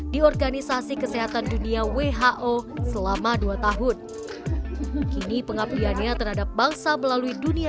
di organisasi kesehatan dunia who selama dua tahun kini pengabdiannya terhadap bangsa melalui dunia